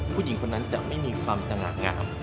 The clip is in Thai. ผู้หญิงคนนั้นจะไม่มีความสง่างาม